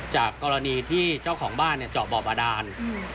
จากกรณีที่เจ้าของบ้านเจาะบ่อบาดาน